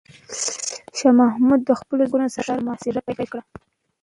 شاه محمود د خپلو ځواکونو سره د ښار محاصره پیل کړه.